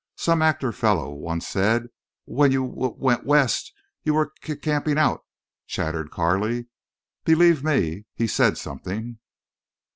"Some actor fellow once said w when you w went West you were c camping out," chattered Carley. "Believe me, he said something."